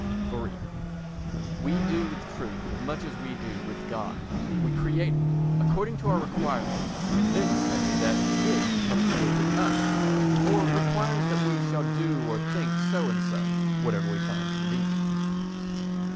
iii We do with truth much as we do with God. We create it according to our own requirements and then say that it has created us, or requires that we shall do or think so and so—whatever we find convenient.